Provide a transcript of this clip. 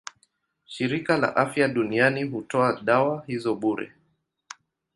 Shirika la Afya Duniani hutoa dawa hizo bure.